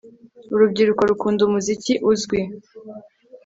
Urubyiruko rukunda umuziki uzwi